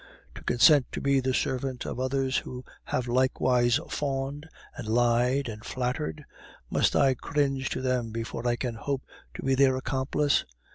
To consent to be the servant of others who have likewise fawned, and lied, and flattered? Must I cringe to them before I can hope to be their accomplice?